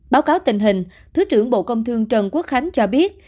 báo cáo tình hình thứ trưởng bộ công thương trần quốc khánh cho biết